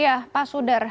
ya pak sudar